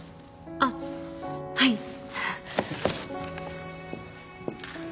あっはい。